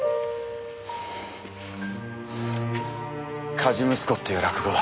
『火事息子』っていう落語だ。